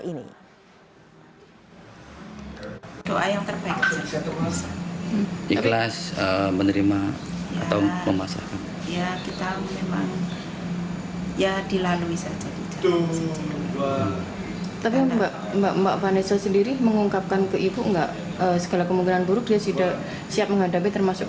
reni berharap vanessa mendapat jalan keluar yang terbaik bisa tetap kuat dan tabah dalam menghadapi masalah